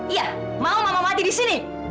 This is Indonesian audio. iya mau lama mati di sini